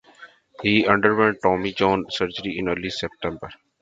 He underwent Tommy John surgery in early September.